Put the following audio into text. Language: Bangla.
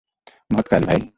মহৎ কাজ, ভাই!